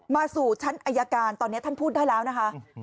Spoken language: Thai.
สู่ชั้นอายการตอนนี้ท่านพูดได้แล้วนะคะ